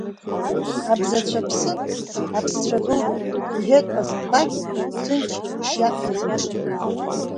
Абзацәа ԥсын, аԥсцәа гылт, — иҳәеит Ҟазылбақь, ҭынч ишиаҭәаз еиԥш.